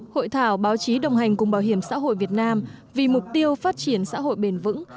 hội thảo báo chí đồng hành cùng bảo hiểm xã hội việt nam vì mục tiêu phát triển xã hội bền vững